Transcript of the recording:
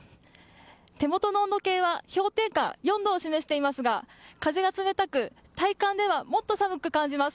手元の温度計は氷点下４度を示していますが風が冷たく体感ではもっと寒く感じます。